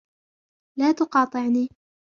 لا تقاطعني